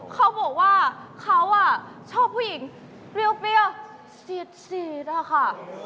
แต่ว่าเขาไม่ชอบหนูอ่ะ